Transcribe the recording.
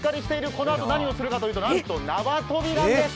このあと何をするかというとなんと縄跳びなんです！